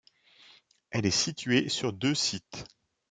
Elle est située sur deux sites.